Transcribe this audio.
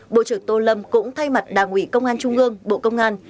bộ trưởng tô lâm cũng thay mặt đảng ủy công an trung gương bộ công an